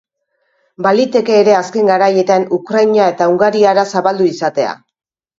Baliteke ere azken garaietan Ukraina eta Hungariara zabaldu izatea.